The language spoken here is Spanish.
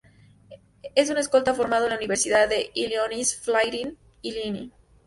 Es un escolta formado en la universidad de Illinois Fighting Illini.